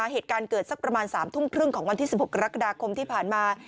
เหตุการณ์เกิดสักประมาณ๓ทุ่มครึ่งของวันที่๑๖กรกฎาคมที่ผ่านมา